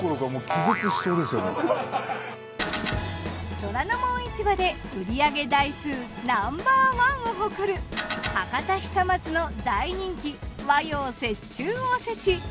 『虎ノ門市場』で売り上げ台数ナンバーワンを誇る博多久松の大人気和洋折衷おせち。